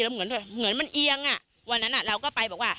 เหมือนมันเอียงอ่ะวันนั้นเราก็ไปบอกว่า